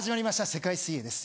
世界水泳です。